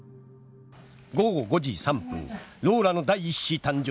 午後５時３分ローラの第１子誕生。